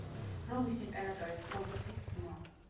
რომის იმპერატორის პრობუსის ძმა.